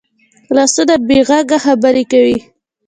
لاسونه بې غږه خبرې کوي